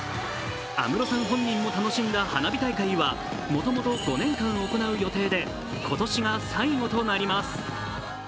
安室さん本人も楽しんだ花火大会はもともと５年間行う予定で今年が最後となります。